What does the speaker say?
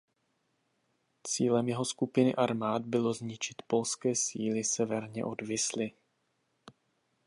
Cílem jeho skupiny armád bylo zničit polské síly severně od Visly.